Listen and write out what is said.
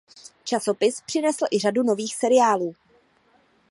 Časopis přinesl i řadu nových seriálů.